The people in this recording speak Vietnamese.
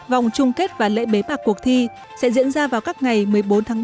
vòng trung kết và lễ bế mạc cuộc thi sẽ diễn ra vào các ngày một mươi bốn tháng bảy đến một mươi sáu tháng bảy